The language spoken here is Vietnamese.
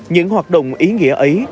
những hoạt động ý nghĩa ấy